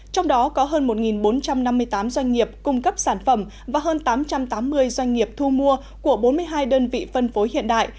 trong đó có hơn một bốn trăm năm mươi tám doanh nghiệp cung cấp sản phẩm và hơn tám trăm tám mươi doanh nghiệp thu mua của bốn mươi hai đơn vị phân phối hiện đại